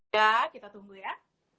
kita tunggu ya